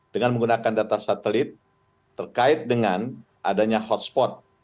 dengan menggunakan data satelit terkait dengan adanya hotspot